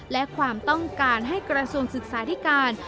และความต้องการให้กระทรวงศึกษาธิการ